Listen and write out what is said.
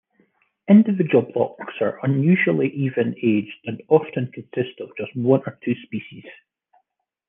Individual blocks are usually even-aged and often consist of just one or two species.